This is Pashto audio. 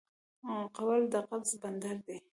غول د قبض بندر دی.